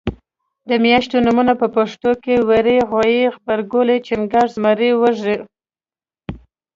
د میاشتو نومونه په پښتو کې وری غویي غبرګولی چنګاښ زمری وږی